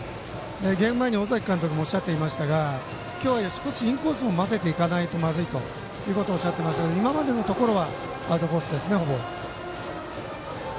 ゲーム前に尾崎監督もおっしゃっていましたが今日は少しインコースも混ぜていかないとまずいとおっしゃっていましたので今までのところはほぼアウトコースですね。